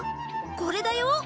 これだよ。